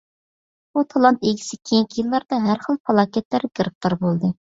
بۇ تالانت ئىگىسى كېيىنكى يىللاردا ھەر خىل پالاكەتلەرگە گىرىپتار بولدى.